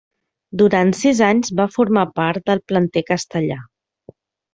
Durant sis anys va formar part del planter castellà.